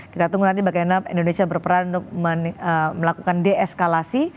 kita tunggu nanti bagaimana indonesia berperan untuk melakukan deeskalasi